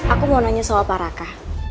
aku mau nanya soal pak raka